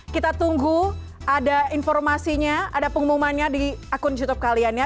kita tunggu ada informasinya ada pengumumannya di akun youtube kalian ya